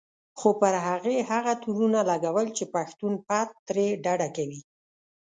خو پر هغې هغه تورونه لګول چې پښتون پت ترې ډډه کوي.